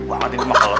oke banget ini makanan